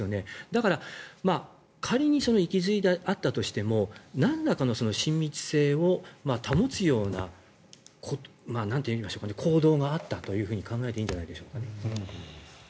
だから仮に行きずりであったとしてもなんらかの親密性を保つような行動があったというふうに考えていいんじゃないでしょうかね。